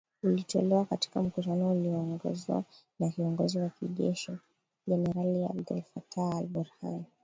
ulitolewa katika mkutano ulioongozwa na kiongozi wa kijeshi , jenerali Abdel Fattah al- Burhan